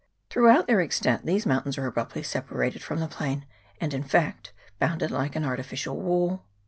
Throughout their extent these mountains are abruptly separated from the plain, and, in fact, bound it like an artificial wall.